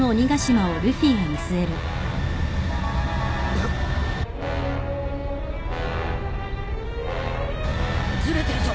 あっ？ずれてるぞ。